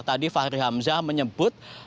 tadi fahri hamzah menyebut